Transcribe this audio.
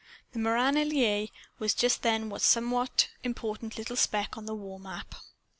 Meran en Laye was just then a somewhat important little speck on the warmap.